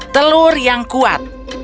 telur yang kuat